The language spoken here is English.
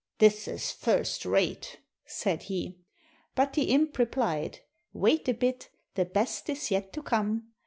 "This is first rate," said he. But the imp replied: "Wait a bit — the best is yet to come.